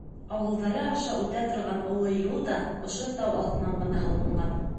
Ауылдары аша үтә торған оло юл да ошо тау аҫтынан ғына һалынған.